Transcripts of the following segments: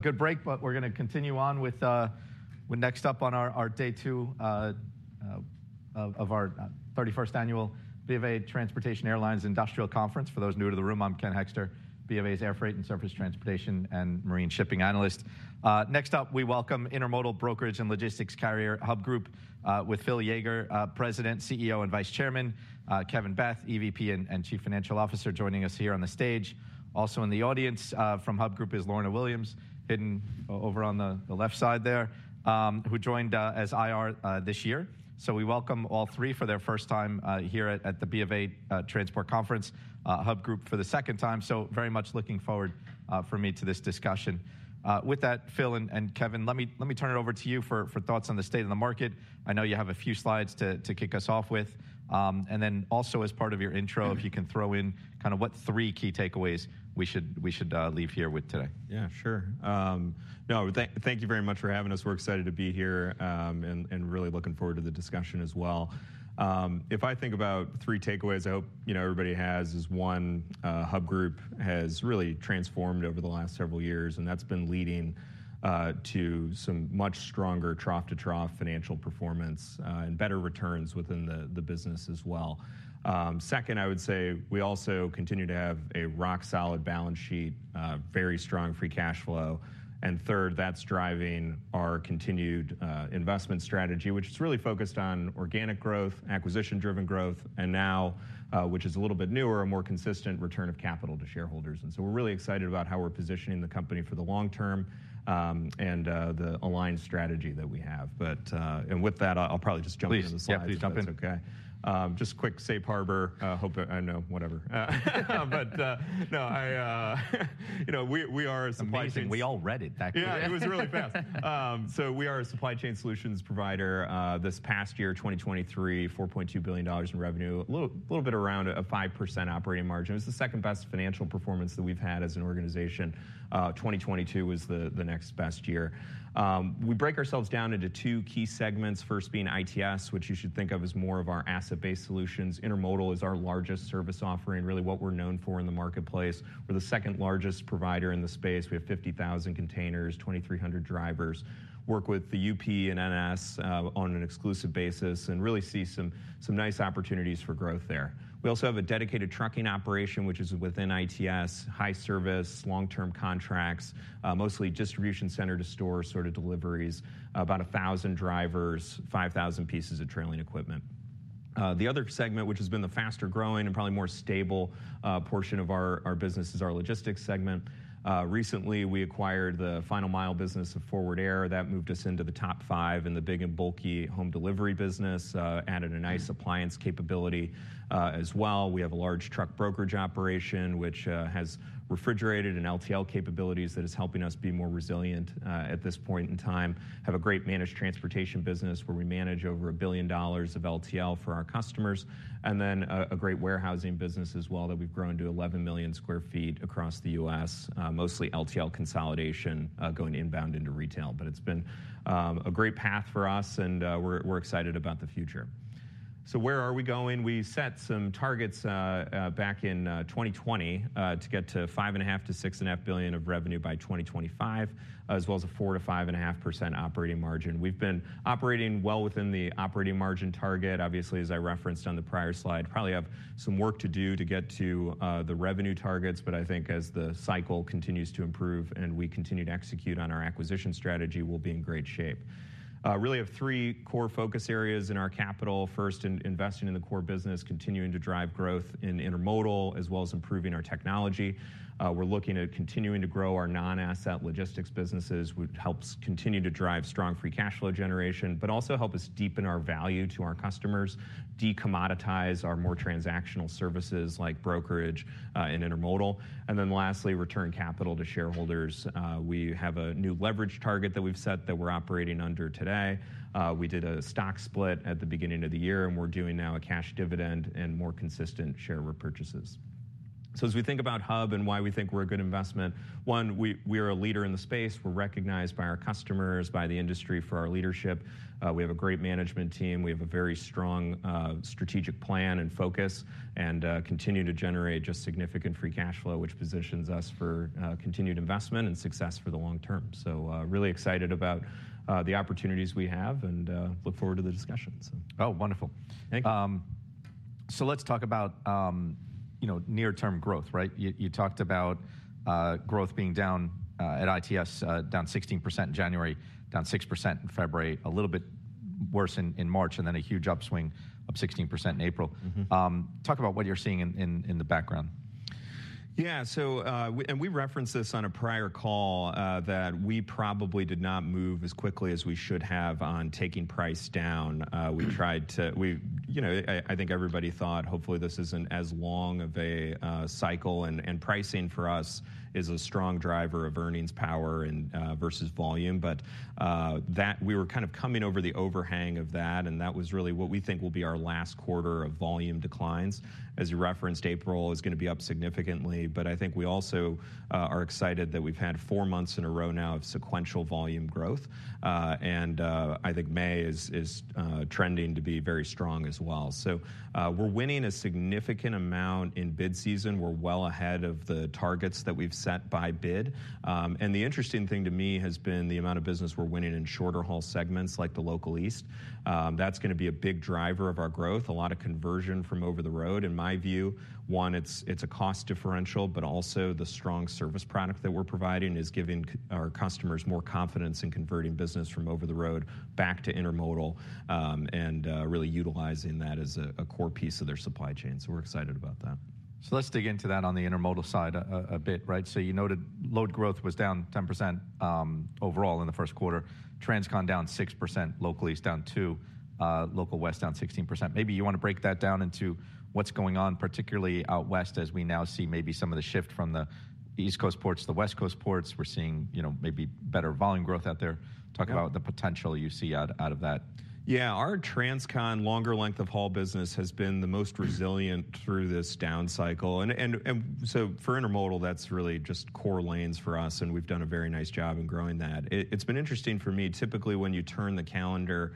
Good break, but we're gonna continue on with next up on our day two of our thirty-first annual BofA Transportation Airlines Industrial Conference. For those new to the room, I'm Ken Hoexter, BofA's Air Freight and Surface Transportation and Marine Shipping Analyst. Next up, we welcome intermodal brokerage and logistics carrier Hub Group with Phil Yeager, President, CEO, and Vice Chairman, Kevin Beth, EVP and Chief Financial Officer, joining us here on the stage. Also, in the audience, from Hub Group is Lorna Williams, hiding over on the left side there, who joined as IR this year. So we welcome all three for their first time here at the BofA Transport Conference, Hub Group for the second time. So very much looking forward, for me to this discussion. With that, Phil and Kevin, let me turn it over to you for thoughts on the state of the market. I know you have a few slides to kick us off with. And then also, as part of your intro, if you can throw in kind of what three key takeaways we should leave here with today. Yeah, sure. No, thank you very much for having us. We're excited to be here, and really looking forward to the discussion as well. If I think about three takeaways, I hope you know everybody has, is one, Hub Group has really transformed over the last several years, and that's been leading to some much stronger trough-to-trough financial performance, and better returns within the business as well. Second, I would say we also continue to have a rock-solid balance sheet, very strong free cash flow. And third, that's driving our continued investment strategy, which is really focused on organic growth, acquisition-driven growth, and now, which is a little bit newer, a more consistent return of capital to shareholders. And so we're really excited about how we're positioning the company for the long term, and the aligned strategy that we have. And with that, I'll probably just jump into the slides. Please. Yeah, please jump in. Okay. Just a quick safe harbor. But no, I you know we are a supply chain- Amazing, we all read it, thank you. Yeah, it was really fast. So we are a supply chain solutions provider. This past year, 2023, $4.2 billion in revenue, a little bit around a 5% operating margin. It was the second-best financial performance that we've had as an organization. 2022 was the next best year. We break ourselves down into two key segments, first being ITS, which you should think of as more of our asset-based solutions. Intermodal is our largest service offering, really what we're known for in the marketplace. We're the second-largest provider in the space. We have 50,000 containers, 2,300 drivers, work with the UP and NS, on an exclusive basis, and really see some nice opportunities for growth there. We also have a dedicated trucking operation, which is within ITS, high service, long-term contracts, mostly distribution center to store sort of deliveries, about 1,000 drivers, 5,000 pieces of trailing equipment. The other segment, which has been the faster-growing and probably more stable portion of our business, is our logistics segment. Recently, we acquired the final mile business of Forward Air. That moved us into the top five in the big and bulky home delivery business, added a nice appliance capability, as well. We have a large truck brokerage operation, which has refrigerated and LTL capabilities that is helping us be more resilient at this point in time. Have a great managed transportation business, where we manage over $1 billion of LTL for our customers, and then a great warehousing business as well, that we've grown to 11 million sq ft across the US, mostly LTL consolidation, going inbound into retail. But it's been a great path for us, and we're excited about the future. So where are we going? We set some targets back in 2020 to get to $5.5 billion-$6.5 billion of revenue by 2025, as well as a 4%-5.5% operating margin. We've been operating well within the operating margin target. Obviously, as I referenced on the prior slide, probably have some work to do to get to the revenue targets, but I think as the cycle continues to improve and we continue to execute on our acquisition strategy, we'll be in great shape. Really have three core focus areas in our capital. First, in investing in the core business, continuing to drive growth in intermodal, as well as improving our technology. We're looking at continuing to grow our non-asset logistics businesses, which helps continue to drive strong free cash flow generation, but also help us deepen our value to our customers, decommoditize our more transactional services like brokerage and intermodal, and then lastly, return capital to shareholders. We have a new leverage target that we've set that we're operating under today. We did a stock split at the beginning of the year, and we're doing now a cash dividend and more consistent share repurchases. As we think about Hub and why we think we're a good investment, one, we are a leader in the space. We're recognized by our customers, by the industry, for our leadership. We have a great management team. We have a very strong strategic plan and focus, and continue to generate just significant free cash flow, which positions us for continued investment and success for the long term. Really excited about the opportunities we have, and look forward to the discussion. Oh, wonderful. Thank you. So let's talk about, you know, near-term growth, right? You talked about growth being down at ITS, down 16% in January, down 6% in February, a little bit worse in March, and then a huge upswing of 16% in April. Mm-hmm. Talk about what you're seeing in the background. Yeah, so, we. And we referenced this on a prior call, that we probably did not move as quickly as we should have on taking price down. We tried to we, you know, I think everybody thought, hopefully, this isn't as long of a cycle, and pricing for us is a strong driver of earnings power and versus volume. But that, we were kind of coming over the overhang of that, and that was really what we think will be our last quarter of volume declines. As you referenced, April is gonna be up significantly, but I think we also are excited that we've had four months in a row now of sequential volume growth. And I think May is trending to be very strong as well. So, we're winning a significant amount in bid season. We're well ahead of the targets that we've set by bid. The interesting thing to me has been the amount of business we're winning in shorter-haul segments, like the Local East. That's gonna be a big driver of our growth, a lot of conversion from over the road. In my view, it's a cost differential, but also the strong service product that we're providing is giving our customers more confidence in converting business from over the road back to intermodal, and really utilizing that as a core piece of their supply chain. So we're excited about that. ... So let's dig into that on the intermodal side a bit, right? So you noted load growth was down 10% overall in the Q1, Transcon down 6%, Local East down 2%, local west down 16%. Maybe you wanna break that down into what's going on, particularly out west, as we now see maybe some of the shift from the East Coast ports to the West Coast ports. We're seeing, you know, maybe better volume growth out there. Yeah. Talk about the potential you see out of that. Yeah, our Transcon longer length-of-haul business has been the most resilient through this down cycle. And so for intermodal, that's really just core lanes for us, and we've done a very nice job in growing that. It's been interesting for me. Typically, when you turn the calendar,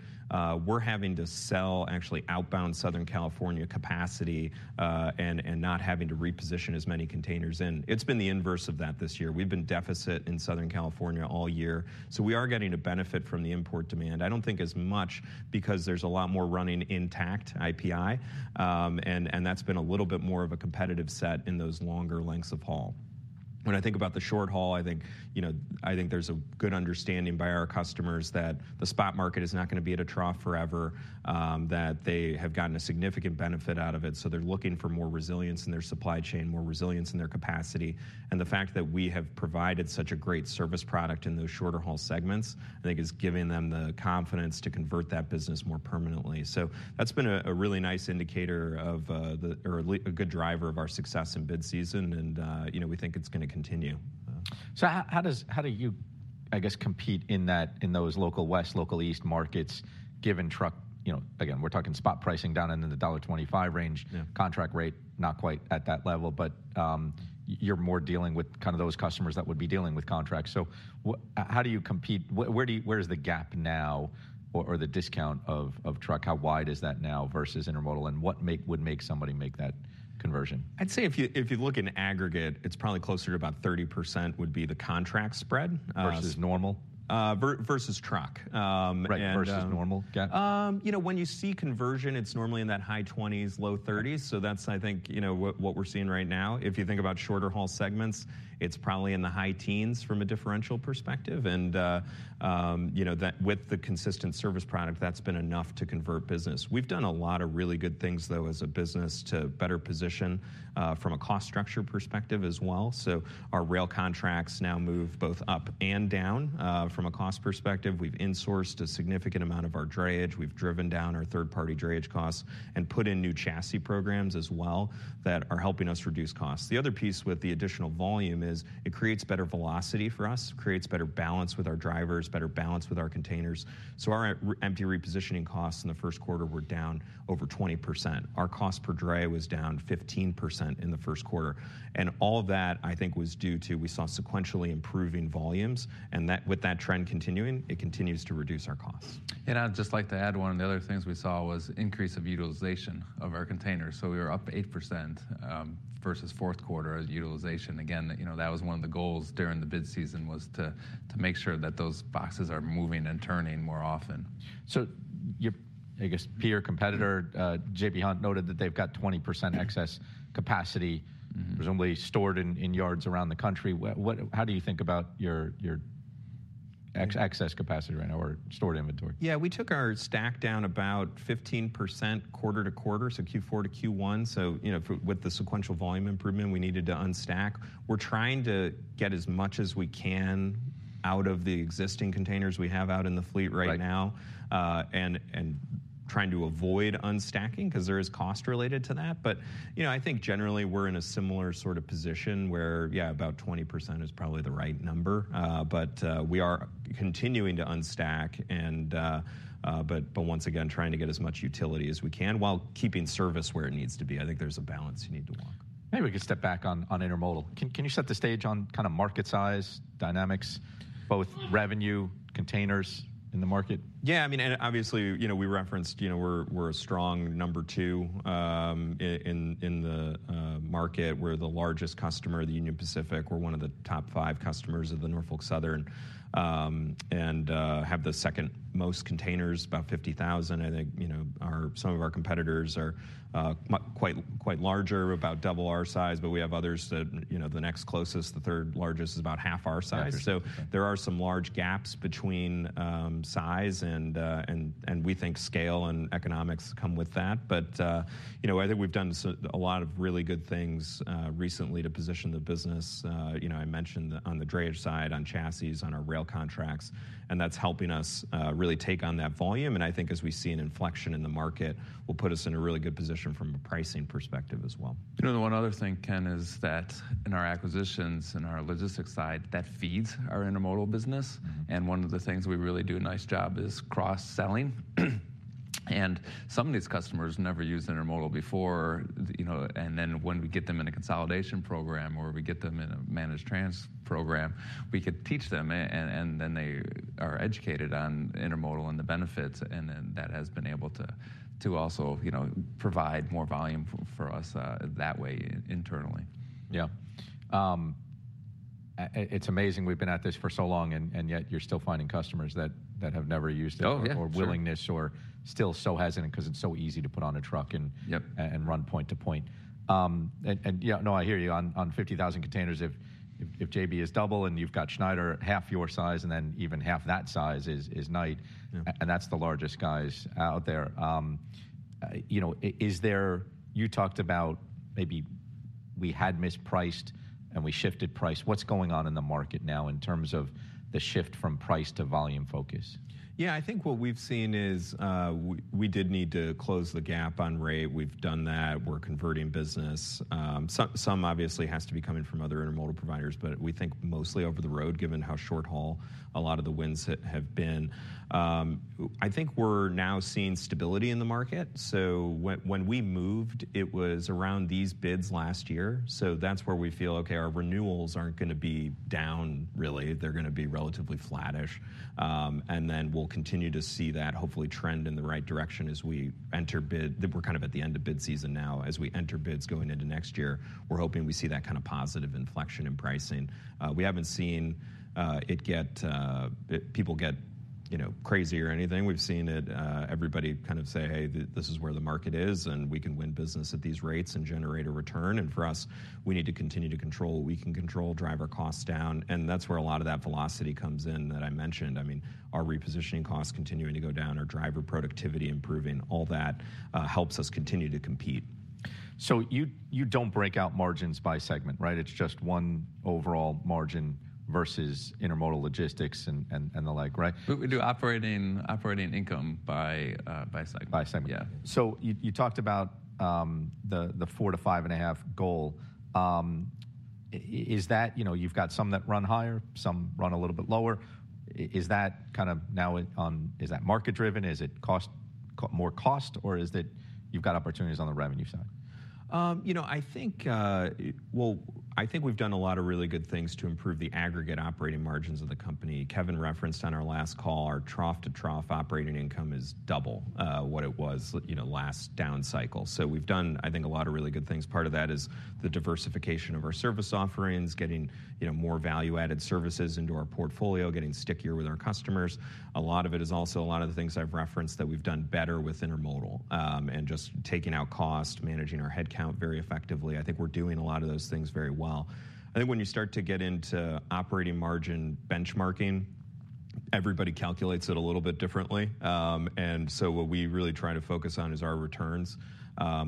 we're having to sell actually outbound Southern California capacity, and not having to reposition as many containers in. It's been the inverse of that this year. We've been deficit in Southern California all year, so we are getting to benefit from the import demand. I don't think as much, because there's a lot more running intact IPI, and that's been a little bit more of a competitive set in those longer lengths of haul. When I think about the short haul, I think, you know, I think there's a good understanding by our customers that the spot market is not gonna be at a trough forever, that they have gotten a significant benefit out of it, so they're looking for more resilience in their supply chain, more resilience in their capacity. And the fact that we have provided such a great service product in those shorter-haul segments, I think, is giving them the confidence to convert that business more permanently. So that's been a really nice indicator of, or at least a good driver of our success in bid season, and, you know, we think it's gonna continue. So how does... How do you, I guess, compete in that, in those Local West, local East markets, given truck... You know, again, we're talking spot pricing down into the $1.25 range. Yeah. Contract rate, not quite at that level, but you're more dealing with kind of those customers that would be dealing with contracts. So how do you compete? Where is the gap now or the discount of truck? How wide is that now versus intermodal, and what would make somebody make that conversion? I'd say if you look in aggregate, it's probably closer to about 30% would be the contract spread. Versus normal? versus truck. And Right, versus normal. Got it. You know, when you see conversion, it's normally in that high 20s, low 30s. Yeah. So that's, I think, you know, what, what we're seeing right now. If you think about shorter-haul segments, it's probably in the high teens from a differential perspective. And, you know, that, with the consistent service product, that's been enough to convert business. We've done a lot of really good things, though, as a business to better position, from a cost structure perspective as well. So our rail contracts now move both up and down, from a cost perspective. We've insourced a significant amount of our drayage. We've driven down our third-party drayage costs and put in new chassis programs as well that are helping us reduce costs. The other piece with the additional volume is it creates better velocity for us, creates better balance with our drivers, better balance with our containers. So our empty repositioning costs in the Q1 were down over 20%. Our cost per dray was down 15% in the Q1, and all of that, I think, was due to we saw sequentially improving volumes, and that, with that trend continuing, it continues to reduce our costs. I'd just like to add, one of the other things we saw was increase of utilization of our containers, so we were up 8%, versus Q4 as utilization. Again, you know, that was one of the goals during the bid season, was to make sure that those boxes are moving and turning more often. Your, I guess, peer competitor, J.B. Hunt, noted that they've got 20% excess capacity- Mm-hmm. - presumably stored in yards around the country. What... How do you think about your excess capacity right now or stored inventory? Yeah, we took our stack down about 15% quarter-to-quarter, so Q4 to Q1. So, you know, for, with the sequential volume improvement, we needed to unstack. We're trying to get as much as we can out of the existing containers we have out in the fleet right now- Right... and trying to avoid unstacking, 'cause there is cost related to that. But, you know, I think generally we're in a similar sort of position, where, yeah, about 20% is probably the right number. But, we are continuing to unstack, and... but once again, trying to get as much utility as we can while keeping service where it needs to be. I think there's a balance you need to walk. Maybe we could step back on intermodal. Can you set the stage on kind of market size, dynamics, both revenue, containers in the market? Yeah, I mean, and obviously, you know, we referenced, you know, we're a strong number two in the market. We're the largest customer of the Union Pacific. We're one of the top five customers of the Norfolk Southern and have the second-most containers, about 50,000. I think, you know, our some of our competitors are quite larger, about double our size, but we have others that, you know, the next closest, the third largest, is about half our size. Yeah. So there are some large gaps between size and we think scale and economics come with that. But you know, I think we've done a lot of really good things recently to position the business. You know, I mentioned on the drayage side, on chassis, on our rail contracts, and that's helping us really take on that volume, and I think as we see an inflection in the market, will put us in a really good position from a pricing perspective as well. You know, the one other thing, Ken, is that in our acquisitions, in our logistics side, that feeds our intermodal business. Mm-hmm. One of the things we really do a nice job is cross-selling. Some of these customers never used intermodal before. You know, then when we get them in a consolidation program, or we get them in a managed trans program, we could teach them, and then they are educated on intermodal and the benefits. And then that has been able to also, you know, provide more volume for us that way internally. Yeah. It's amazing we've been at this for so long, and yet you're still finding customers that have never used it- Oh, yeah, sure. or willingness or still so hesitant, 'cause it's so easy to put on a truck and- Yep... and run point to point. And yeah, no, I hear you. On 50,000 containers, if J.B. is double, and you've got Schneider half your size, and then even half that size is Knight- Yeah... and that's the largest guys out there. You know, is there... You talked about we had mispriced, and we shifted price. What's going on in the market now in terms of the shift from price to volume focus? Yeah, I think what we've seen is, we did need to close the gap on rate. We've done that. We're converting business. Some, some obviously has to be coming from other intermodal providers, but we think mostly over-the-road, given how short-haul a lot of the wins have been. I think we're now seeing stability in the market. So when we moved, it was around these bids last year, so that's where we feel, okay, our renewals aren't gonna be down really. They're gonna be relatively flattish. And then we'll continue to see that hopefully trend in the right direction as we enter bid season now. As we enter bids going into next year, we're hoping we see that kind of positive inflection in pricing. We haven't seen it get it. People get, you know, crazy or anything. We've seen it, everybody kind of say, "Hey, this is where the market is, and we can win business at these rates and generate a return." And for us, we need to continue to control what we can control, drive our costs down, and that's where a lot of that velocity comes in that I mentioned. I mean, our repositioning costs continuing to go down, our driver productivity improving, all that helps us continue to compete. So you don't break out margins by segment, right? It's just one overall margin versus intermodal logistics and the like, right? We do operating income by segment. By segment. Yeah. So you talked about the 4-5.5 goal. Is that, you know, you've got some that run higher, some run a little bit lower. Is that kind of now on... Is that market driven? Is it cost, more cost, or is it you've got opportunities on the revenue side? You know, I think, well, I think we've done a lot of really good things to improve the aggregate operating margins of the company. Kevin referenced on our last call, our trough-to-trough operating income is double, what it was, you know, last down cycle. So we've done, I think, a lot of really good things. Part of that is the diversification of our service offerings, getting, you know, more value-added services into our portfolio, getting stickier with our customers. A lot of it is also a lot of the things I've referenced that we've done better with intermodal, and just taking out cost, managing our headcount very effectively. I think we're doing a lot of those things very well. I think when you start to get into operating margin benchmarking, everybody calculates it a little bit differently. And so what we really try to focus on is our returns.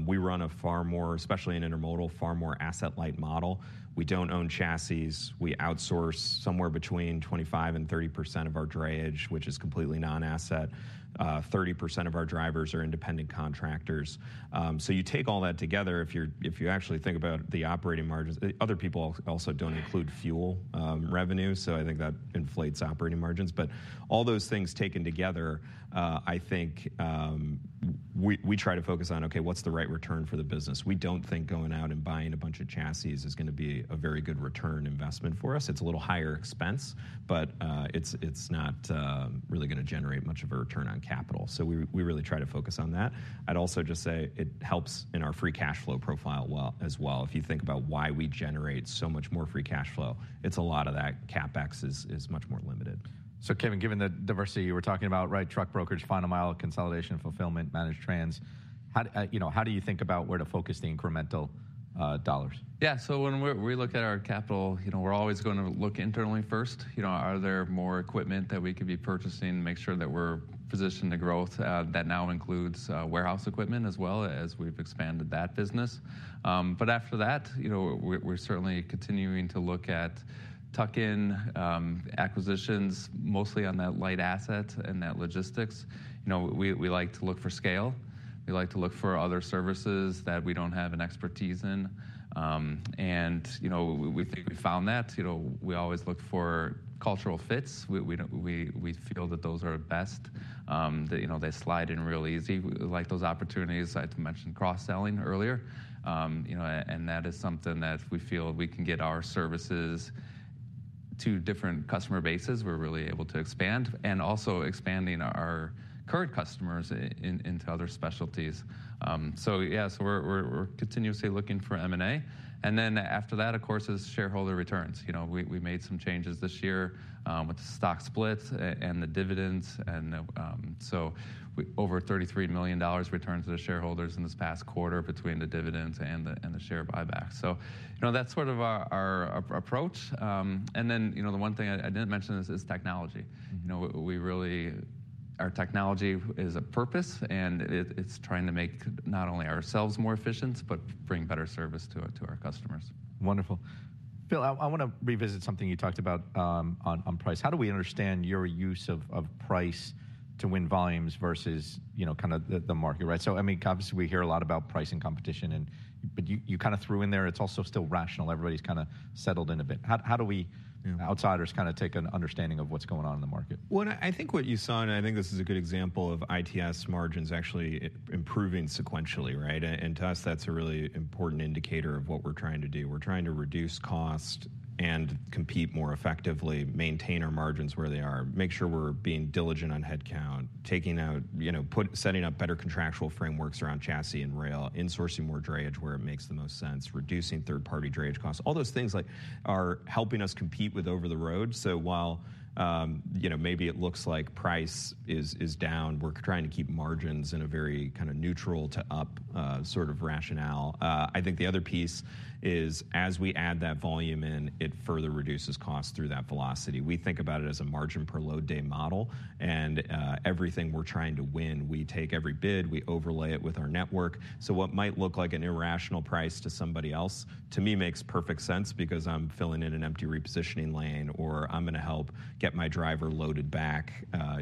We run a far more, especially in intermodal, far more asset-light model. We don't own chassis. We outsource somewhere between 25%-30% of our drayage, which is completely non-asset. 30% of our drivers are independent contractors. So you take all that together, if you're, if you actually think about the operating margins, other people also don't include fuel revenue, so I think that inflates operating margins. But all those things taken together, I think, we try to focus on, okay, what's the right return for the business? We don't think going out and buying a bunch of chassis is gonna be a very good return investment for us. It's a little higher expense, but, it's not really gonna generate much of a return on capital. We really try to focus on that. I'd also just say it helps in our free cash flow profile well, as well. If you think about why we generate so much more free cash flow, it's a lot of that. CapEx is much more limited. So, Kevin, given the diversity you were talking about, right? Truck brokerage, final mile consolidation, fulfillment, managed trans, how, you know, how do you think about where to focus the incremental dollars? Yeah. So when we look at our capital, you know, we're always gonna look internally first. You know, are there more equipment that we could be purchasing to make sure that we're positioned to growth? That now includes warehouse equipment as well, as we've expanded that business. But after that, you know, we're certainly continuing to look at tuck-in acquisitions, mostly on that light asset and that logistics. You know, we like to look for scale. We like to look for other services that we don't have an expertise in. And, you know, we think we found that. You know, we always look for cultural fits. We feel that those are best. They, you know, they slide in real easy. We like those opportunities. I had to mention cross-selling earlier. You know, and that is something that if we feel we can get our services to different customer bases, we're really able to expand, and also expanding our current customers in into other specialties. So yeah, so we're continuously looking for M&A. And then after that, of course, is shareholder returns. You know, we made some changes this year, with the stock splits and the dividends, and, so we... over $33 million returned to the shareholders in this past quarter between the dividends and the share buyback. So, you know, that's sort of our approach. And then, you know, the one thing I didn't mention is technology. You know, we really... Our technology is a purpose, and it's trying to make not only ourselves more efficient, but bring better service to our customers. Wonderful. Phil, I want to revisit something you talked about on price. How do we understand your use of price to win volumes versus, you know, kind of the market, right? So, I mean, obviously, we hear a lot about price and competition and… but you kind of threw in there, it's also still rational. Everybody's kind of settled in a bit. How do we- Yeah... outsiders kind of take an understanding of what's going on in the market? Well, and I think what you saw, and I think this is a good example of ITS margins actually improving sequentially, right? And to us, that's a really important indicator of what we're trying to do. We're trying to reduce cost and compete more effectively, maintain our margins where they are, make sure we're being diligent on headcount, taking out, you know, setting up better contractual frameworks around chassis and rail, insourcing more drayage where it makes the most sense, reducing third-party drayage costs. All those things like, are helping us compete with over-the-road. So while, you know, maybe it looks like price is down, we're trying to keep margins in a very kind of neutral to up, sort of rationale. I think the other piece is, as we add that volume in, it further reduces costs through that velocity. We think about it as a margin-per-load-day model, and, everything we're trying to win, we take every bid, we overlay it with our network. So what might look like an irrational price to somebody else, to me, makes perfect sense because I'm filling in an empty repositioning lane, or I'm going to help get my driver loaded back.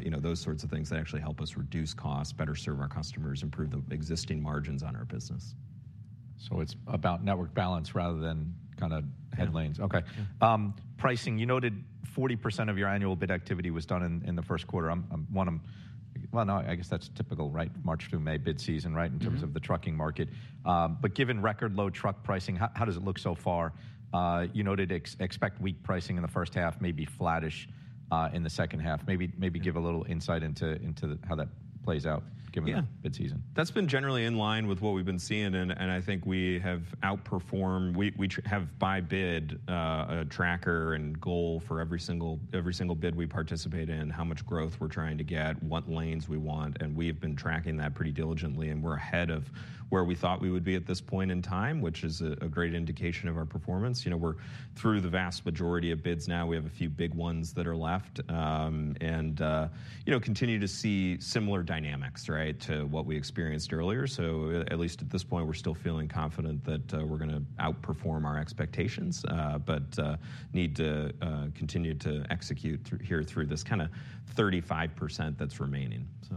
You know, those sorts of things that actually help us reduce costs, better serve our customers, improve the existing margins on our business. ... So it's about network balance rather than kind of headlines. Yeah. Okay. Pricing, you noted 40% of your annual bid activity was done in the Q1. Well, no, I guess that's typical, right? March through May, bid season, right? Mm-hmm... in terms of the trucking market. But given record-low truck pricing, how does it look so far? You noted expect weak pricing in the first half, maybe flattish in the second half. Maybe- Yeah... maybe give a little insight into how that plays out given the- Yeah... Bid season. That's been generally in line with what we've been seeing, and I think we have outperformed. We have, by bid, a tracker and goal for every single, every single bid we participate in, how much growth we're trying to get, what lanes we want, and we have been tracking that pretty diligently, and we're ahead of where we thought we would be at this point in time, which is a great indication of our performance. You know, we're through the vast majority of bids now. We have a few big ones that are left. You know, continue to see similar dynamics, right, to what we experienced earlier. So at least at this point, we're still feeling confident that we're gonna outperform our expectations, but need to continue to execute through here, through this kind of 35% that's remaining, so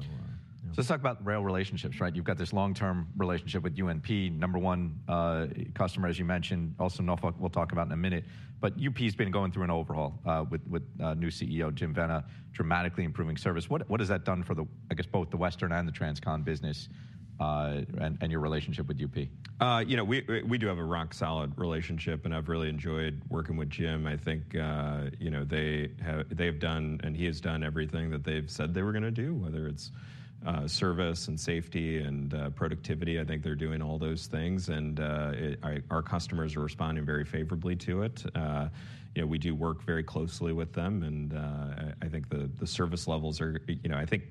yeah. So let's talk about rail relationships, right? You've got this long-term relationship with UP, number one customer, as you mentioned. Also, Norfolk, we'll talk about in a minute. But UP's been going through an overhaul with the new CEO, Jim Vena, dramatically improving service. What has that done for the, I guess, both the Western and the Transcon business, and your relationship with UP? You know, we do have a rock solid relationship, and I've really enjoyed working with Jim. I think, you know, they have—they've done, and he has done everything that they've said they were gonna do, whether it's service and safety and productivity. I think they're doing all those things, and it. Our customers are responding very favorably to it. You know, we do work very closely with them, and I think the service levels are, you know. I think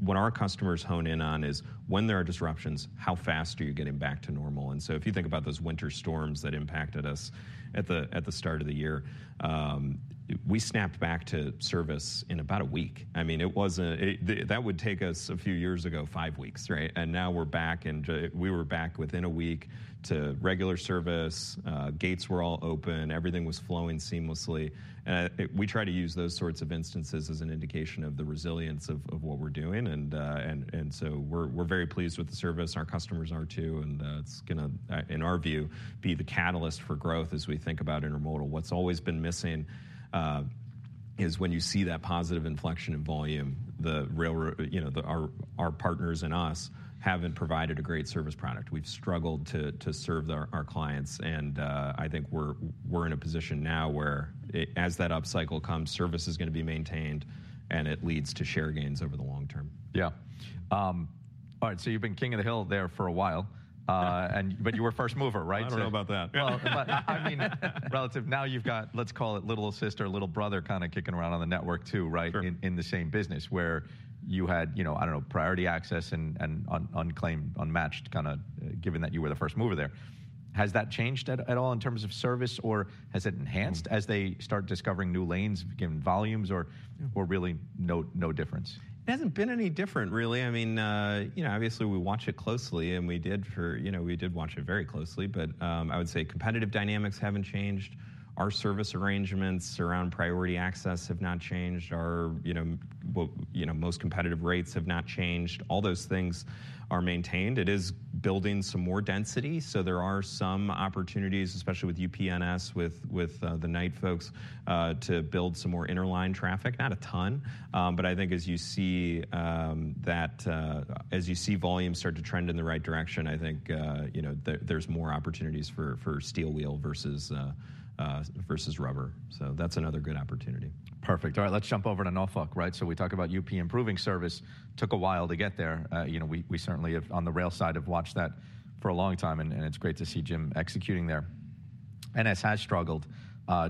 what our customers hone in on is when there are disruptions, how fast are you getting back to normal? And so if you think about those winter storms that impacted us at the start of the year, we snapped back to service in about a week. I mean, it wasn't that would take us a few years ago 5 weeks, right? And now we're back, and we were back within a week to regular service. Gates were all open. Everything was flowing seamlessly. And we try to use those sorts of instances as an indication of the resilience of what we're doing. And so we're very pleased with the service. Our customers are, too, and it's gonna in our view be the catalyst for growth as we think about intermodal. What's always been missing is when you see that positive inflection in volume, you know, our partners and us haven't provided a great service product. We've struggled to serve our clients, and I think we're in a position now where, as that up cycle comes, service is gonna be maintained, and it leads to share gains over the long term. Yeah. All right, so you've been king of the hill there for a while. But you were a first mover, right? I don't know about that. Well, but I mean, relative... Now you've got, let's call it little sister, little brother, kind of kicking around on the network, too, right? Sure... in the same business, where you had, you know, I don't know, priority access and unmatched, kind of, given that you were the first mover there. Has that changed at all in terms of service, or has it enhanced- Mm... as they start discovering new lanes, given volumes, or really no difference? It hasn't been any different, really. I mean, you know, obviously we watch it closely. You know, we did watch it very closely, but I would say competitive dynamics haven't changed. Our service arrangements around priority access have not changed. Our, you know, well, you know, most competitive rates have not changed. All those things are maintained. It is building some more density, so there are some opportunities, especially with UPNS, with the Knight folks, to build some more interline traffic. Not a ton, but I think as you see volumes start to trend in the right direction, I think, you know, there, there's more opportunities for steel wheel versus rubber. So that's another good opportunity. Perfect. All right, let's jump over to Norfolk, right? So we talk about UP improving service. Took a while to get there. You know, we certainly have, on the rail side, watched that for a long time, and it's great to see Jim executing there. NS has struggled.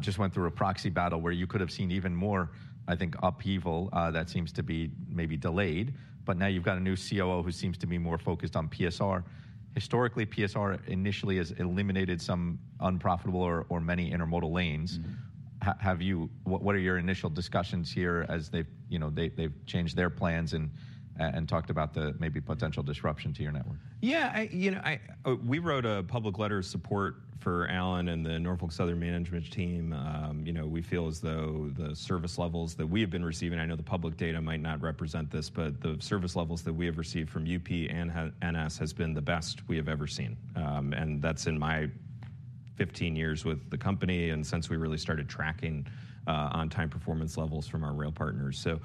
Just went through a proxy battle where you could have seen even more, I think, upheaval. That seems to be maybe delayed, but now you've got a new COO who seems to be more focused on PSR. Historically, PSR initially has eliminated some unprofitable or many intermodal lanes. Mm. Have you... What are your initial discussions here as they've, you know, they, they've changed their plans and, and talked about the maybe potential disruption to your network? Yeah, I, you know, I, we wrote a public letter of support for Alan and the Norfolk Southern management team. You know, we feel as though the service levels that we have been receiving, I know the public data might not represent this, but the service levels that we have received from UP and NS has been the best we have ever seen. And that's in my 15 years with the company and since we really started tracking on-time performance levels from our rail partners. So,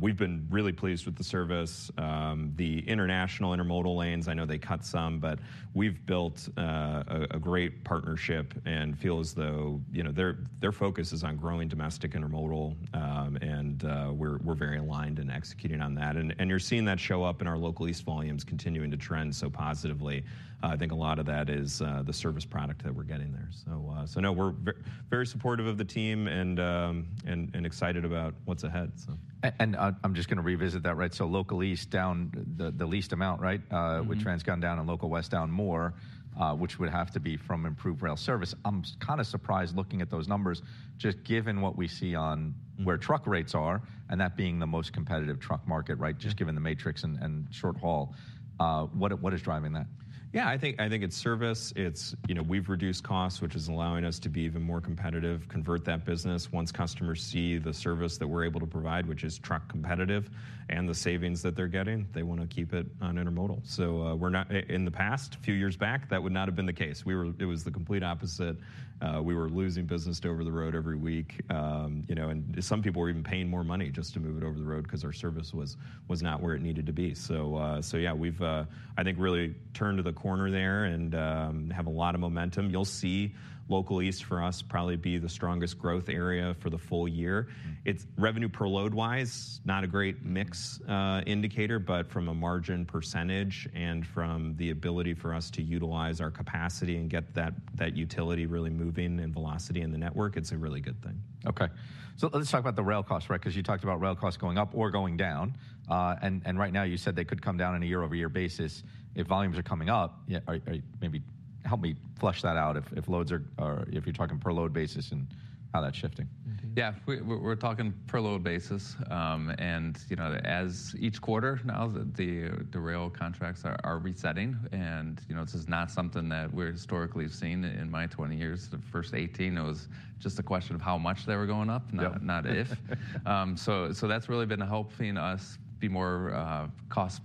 we've been really pleased with the service. The international intermodal lanes, I know they cut some, but we've built a great partnership and feel as though, you know, their focus is on growing domestic intermodal. And, we're very aligned in executing on that, and you're seeing that show up in our local east volumes continuing to trend so positively. I think a lot of that is the service product that we're getting there. So, no, we're very supportive of the team and excited about what's ahead, so. And I, I'm just gonna revisit that, right? So local east, down the least amount, right? Mm-hmm. With Transcon down and local west down more, which would have to be from improved rail service. I'm kind of surprised, looking at those numbers, just given what we see on- Mm... where truck rates are, and that being the most competitive truck market, right? Yeah. Just given the matrix and short haul, what is driving that? Yeah, I think it's service. It's, you know, we've reduced costs, which is allowing us to be even more competitive, convert that business. Once customers see the service that we're able to provide, which is truck competitive, and the savings that they're getting, they want to keep it on intermodal. So, we're not... In the past, a few years back, that would not have been the case. We were losing business to over-the-road every week, you know, and some people were even paying more money just to move it over the road, 'cause our service was not where it needed to be. So, yeah, we've, I think, really turned the corner there, and have a lot of momentum. You'll see local east for us probably be the strongest growth area for the full year. Mm. It's revenue per load-wise not a great mix indicator, but from a margin percentage and from the ability for us to utilize our capacity and get that utility really moving in velocity in the network, it's a really good thing. Okay, so let's talk about the rail costs, right? 'Cause you talked about rail costs going up or going down. Right now you said they could come down on a year-over-year basis if volumes are coming up. Maybe help me flesh that out, if loads are—if you're talking per load basis and how that's shifting. Mm-hmm. Yeah, we're talking per load basis. And you know, as each quarter now, the rail contracts are resetting, and you know, this is not something that we're historically seen in my 20 years. The first 18, it was just a question of how much they were going up- Yep... not if. So that's really been helping us be more cost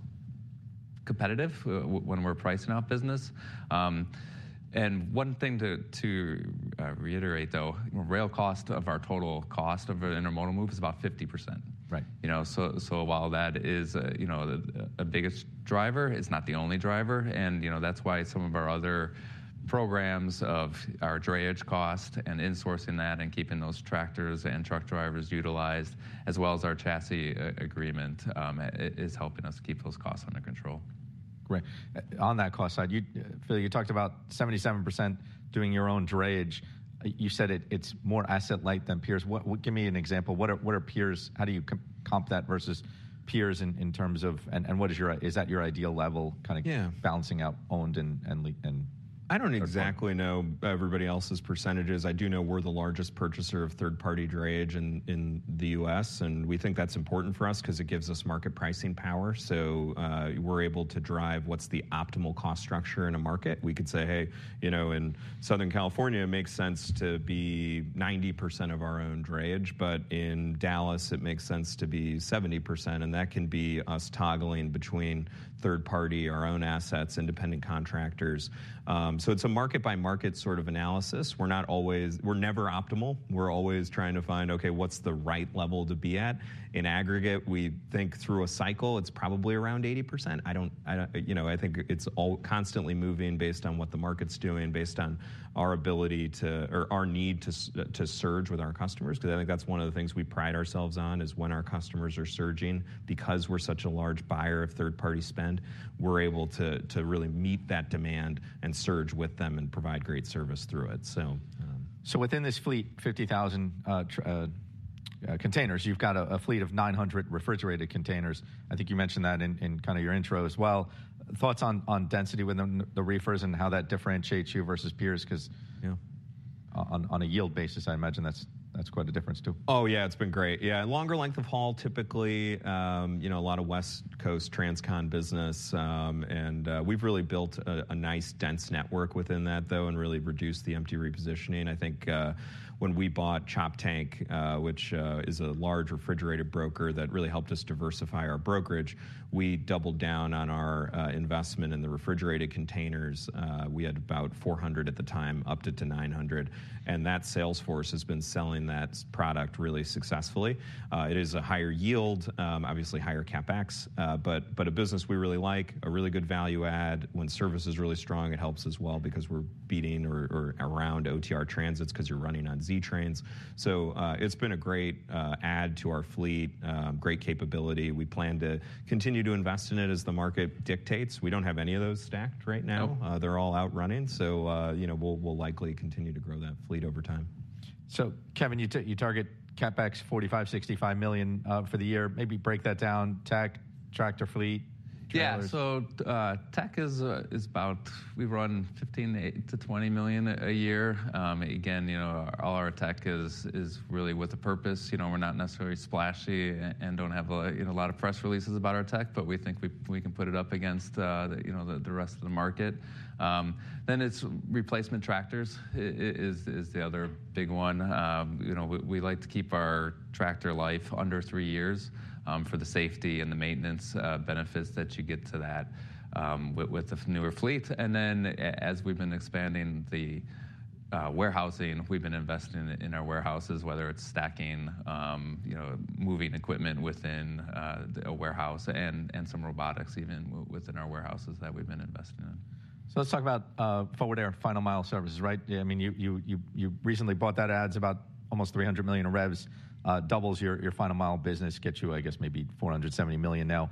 competitive when we're pricing out business. And one thing to reiterate, though, rail cost of our total cost of an intermodal move is about 50%. Right. You know, while that is a biggest driver, it's not the only driver. And, you know, that's why some of our other programs of our drayage cost and insourcing that and keeping those tractors and truck drivers utilized, as well as our chassis agreement, it is helping us keep those costs under control. Great. On that cost side, you, Phil, you talked about 77% doing your own drayage. You said it, it's more asset light than peers. What, give me an example. What are peers— How do you compare that versus peers in terms of... And what is your ideal level, is that your ideal level, kind of- Yeah... balancing out owned and leased and- I don't exactly know everybody else's percentages. I do know we're the largest purchaser of third-party drayage in the U.S., and we think that's important for us, 'cause it gives us market pricing power. So, we're able to drive what's the optimal cost structure in a market. We could say, "Hey, you know, in Southern California, it makes sense to be 90% of our own drayage, but in Dallas, it makes sense to be 70%," and that can be us toggling between third party, our own assets, independent contractors. So it's a market-by-market sort of analysis. We're not always... We're never optimal. We're always trying to find, okay, what's the right level to be at? In aggregate, we think through a cycle, it's probably around 80%. I don't, I don't... You know, I think it's all constantly moving based on what the market's doing, based on our ability to, or our need to to surge with our customers. 'Cause I think that's one of the things we pride ourselves on, is when our customers are surging, because we're such a large buyer of third-party spend, we're able to, to really meet that demand and surge with them and provide great service through it, so. So within this fleet, 50,000 containers, you've got a fleet of 900 refrigerated containers. I think you mentioned that in kind of your intro as well. Thoughts on density with the reefers and how that differentiates you versus peers, 'cause- Yeah... on a yield basis, I imagine that's quite a difference, too. Oh, yeah, it's been great. Yeah, longer length of haul, typically, you know, a lot of West Coast transcon business. We've really built a nice, dense network within that, though, and really reduced the empty repositioning. I think, when we bought Choptank, which is a large refrigerated broker that really helped us diversify our brokerage, we doubled down on our investment in the refrigerated containers. We had about 400 at the time, upped it to 900, and that sales force has been selling that product really successfully. It is a higher yield, obviously higher CapEx, but a business we really like, a really good value add. When service is really strong, it helps as well, because we're beating or around OTR transits, 'cause you're running on Z trains. It's been a great add to our fleet, great capability. We plan to continue to invest in it as the market dictates. We don't have any of those stacked right now. No. They're all out running, so, you know, we'll likely continue to grow that fleet over time. So Kevin, you target CapEx $45 million-$65 million for the year. Maybe break that down, tech, tractor fleet, trailers. Yeah, so, tech is about... We run $15 million-$20 million a year. Again, you know, all our tech is really with a purpose. You know, we're not necessarily splashy and don't have a, you know, a lot of press releases about our tech, but we think we can put it up against the, you know, the rest of the market. Then it's replacement tractors is the other big one. You know, we like to keep our tractor life under three years for the safety and the maintenance benefits that you get with the newer fleet. Then, as we've been expanding the warehousing, we've been investing in, in our warehouses, whether it's stacking, you know, moving equipment within a warehouse and, and some robotics even within our warehouses that we've been investing in. So let's talk about Forward Air Final Mile services, right? I mean, you recently bought that adds about almost $300 million in revs, doubles your final mile business, gets you, I guess, maybe $470 million now.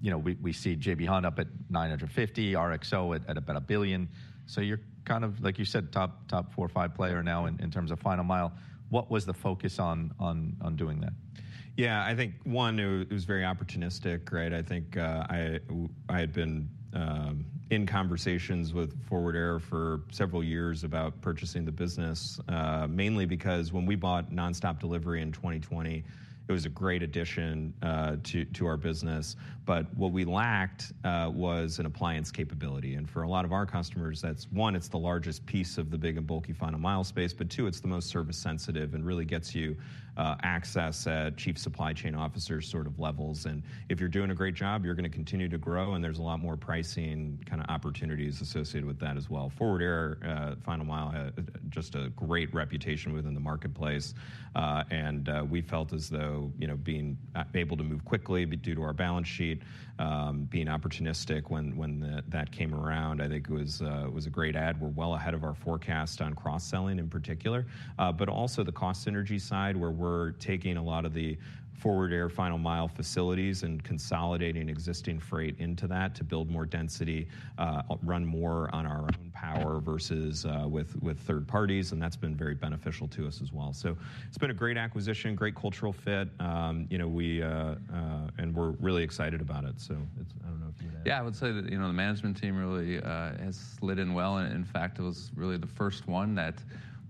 You know, we see J.B. Hunt up at $950 million, RXO at about $1 billion. So you're kind of, like you said, top four or five player now in terms of final mile. What was the focus on doing that? Yeah, I think, one, it was, it was very opportunistic, right? I think, I had been in conversations with Forward Air for several years about purchasing the business, mainly because when we bought Nonstop Delivery in 2020, it was a great addition to our business, but what we lacked was an appliance capability. And for a lot of our customers, that's, one, it's the largest piece of the big and bulky final mile space, but two, it's the most service sensitive and really gets you access at chief supply chain officers sort of levels. And if you're doing a great job, you're gonna continue to grow, and there's a lot more pricing kind of opportunities associated with that as well. Forward Air Final Mile just a great reputation within the marketplace. And we felt as though, you know, being able to move quickly due to our balance sheet, being opportunistic when that came around, I think was a great add. We're well ahead of our forecast on cross-selling, in particular. But also the cost synergy side, where we're taking a lot of the Forward Air Final Mile facilities and consolidating existing freight into that to build more density, run more on our own power versus with third parties, and that's been very beneficial to us as well. So it's been a great acquisition, great cultural fit. You know, and we're really excited about it. So it's- I don't know if you wanna add? Yeah, I would say that, you know, the management team really has slid in well, and in fact, it was really the first one that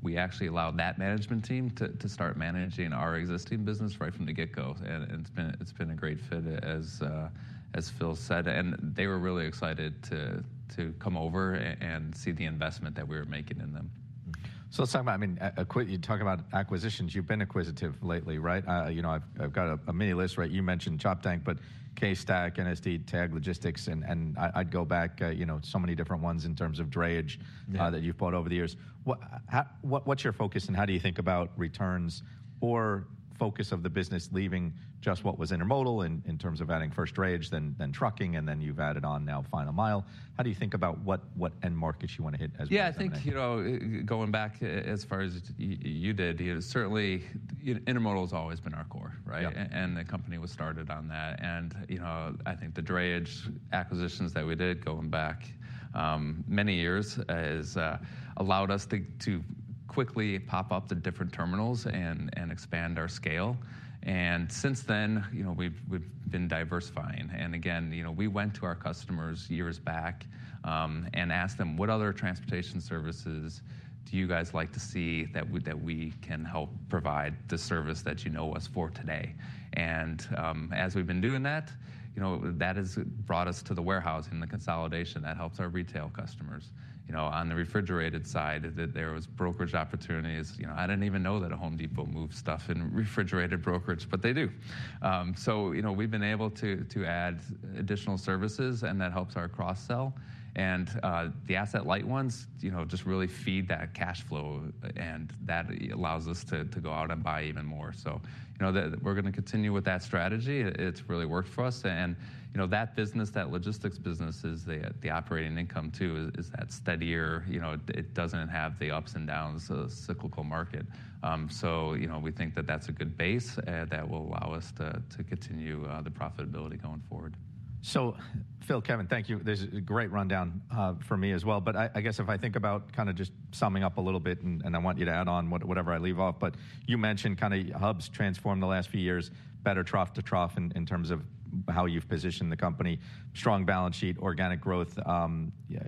we actually allowed that management team to start managing our existing business right from the get-go. And it's been, it's been a great fit, as Phil said, and they were really excited to come over and see the investment that we were making in them. So let's talk about... I mean, you talk about acquisitions, you've been acquisitive lately, right? You know, I've got a mini list, right? You mentioned Choptank, but CaseStack, NSD, TAGG Logistics, and I'd go back, you know, so many different ones in terms of drayage- Yeah... that you've bought over the years. What, how, what's your focus and how do you think about returns or focus of the business, leaving just what was intermodal in terms of adding first drayage, then trucking, and then you've added on now final mile. How do you think about what end market you want to hit as we think ahead? Yeah, I think, you know, going back as far as you did, is certainly, intermodal has always been our core, right? Yeah. And the company was started on that. And, you know, I think the drayage acquisitions that we did, going back, many years, has allowed us to quickly pop up to different terminals and expand our scale. And since then, you know, we've been diversifying. And again, you know, we went to our customers years back and asked them: "What other transportation services do you guys like to see that we can help provide the service that you know us for today?" And as we've been doing that, you know, that has brought us to the warehouse and the consolidation that helps our retail customers. You know, on the refrigerated side, that there was brokerage opportunities. You know, I didn't even know that Home Depot moved stuff in refrigerated brokerage, but they do. So, you know, we've been able to add additional services, and that helps our cross-sell. And, the asset light ones, you know, just really feed that cash flow, and that allows us to go out and buy even more. So, you know, we're gonna continue with that strategy. It's really worked for us, and, you know, that business, that logistics business, is the operating income, too, is that steadier, you know, it doesn't have the ups and downs of cyclical market. So, you know, we think that that's a good base that will allow us to continue the profitability going forward. So Phil, Kevin, thank you. This is a great rundown for me as well. But I guess if I think about kind of just summing up a little bit, and I want you to add on whatever I leave off. But you mentioned kind of Hub's transformed the last few years, better trough to trough in terms of how you've positioned the company, strong balance sheet, organic growth,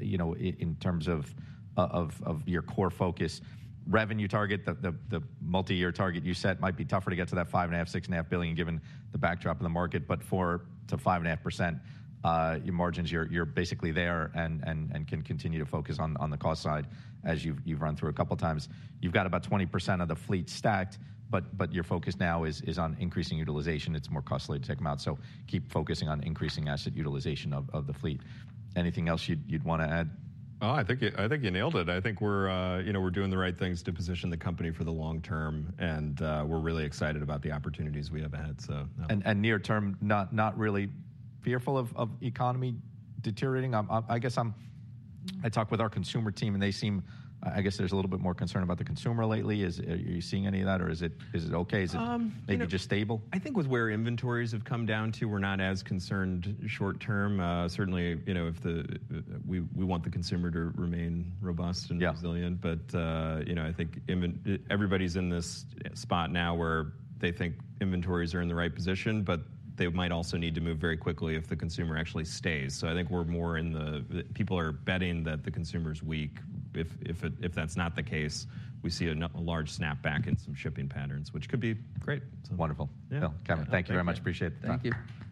you know, in terms of of your core focus. Revenue target, the multi-year target you set might be tougher to get to that $5.5-$6.5 billion, given the backdrop of the market, but 4%-5.5%, your margins, you're basically there and can continue to focus on the cost side, as you've run through a couple times. You've got about 20% of the fleet stacked, but your focus now is on increasing utilization. It's more costly to take them out, so keep focusing on increasing asset utilization of the fleet. Anything else you'd want to add? No, I think you, I think you nailed it. I think we're, you know, we're doing the right things to position the company for the long term, and, we're really excited about the opportunities we have ahead, so... And near term, not really fearful of economy deteriorating? I guess I talked with our consumer team, and they seem. I guess there's a little bit more concern about the consumer lately. Are you seeing any of that, or is it okay? Is it- You know-... maybe just stable? I think with where inventories have come down to, we're not as concerned short term. Certainly, you know, if the, we want the consumer to remain robust and resilient- Yeah... but, you know, I think inventories, everybody's in this spot now where they think inventories are in the right position, but they might also need to move very quickly if the consumer actually stays. So I think we're more in the. People are betting that the consumer's weak. If that's not the case, we see a large snapback in some shipping patterns, which could be great. Wonderful. Yeah. Phil, Kevin- Thank you.... thank you very much. Appreciate the time. Thank you.